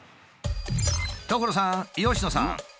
所さん佳乃さん！